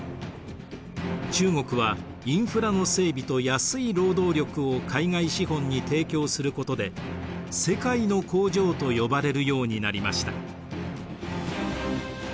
中国はインフラの整備と安い労働力を海外資本に提供することで「世界の工場」と呼ばれるようになりました。